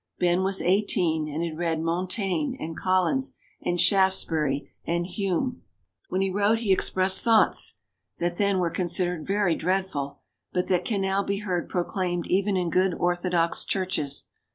Ben was eighteen and had read Montaigne, and Collins, and Shaftesbury, and Hume. When he wrote he expressed thoughts that then were considered very dreadful, but that can now be heard proclaimed even in good orthodox churches.